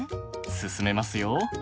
進めますよ。